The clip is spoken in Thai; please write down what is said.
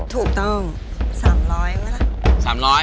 ถูกต้อง๓๐๐มั้ยล่ะ